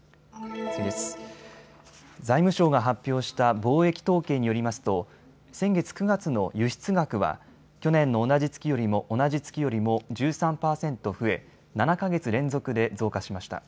財務省が発表した貿易統計によりますと先月９月の輸出額は去年の同じ月よりも１３％増え７か月連続で増加しました。